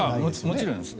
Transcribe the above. もちろんです。